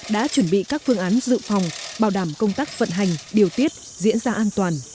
đã chuẩn bị các phương án dự phòng bảo đảm công tác vận hành điều tiết diễn ra an toàn